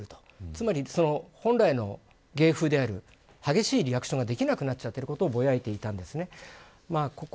つまり、本来の芸風である激しいリアクションができなくなっちゃっていることをぼやいていたんですね。